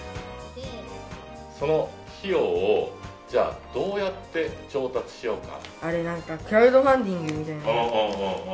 その費用をじゃあどうやって調達しようか。